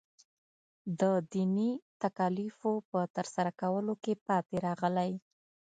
د دیني تکالیفو په ترسره کولو کې پاتې راغلی.